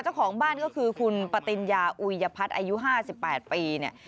เจ้าของบ้านก็คือคุณปติญญาอุยพัฒน์อายุ๕๘ปีเนี่ย